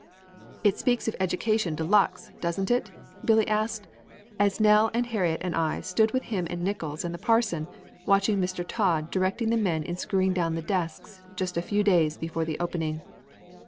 "It speaks of education de luxe, doesn't it?" Billy asked as Nell and Harriet and I stood with him and Nickols and the parson watching Mr. Todd directing the men in screwing down the desks just a few days before the opening.